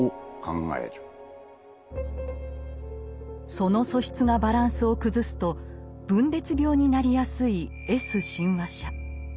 その素質がバランスを崩すと分裂病になりやすい「Ｓ親和者」。